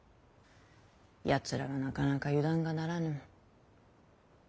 やつらはなかなか油断がならぬ。